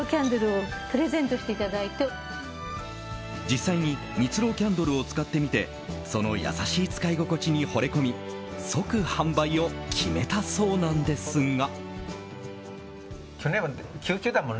実際に蜜ろうキャンドルを使ってみてその優しい使い心地にほれ込み即販売を決めたそうなんですが。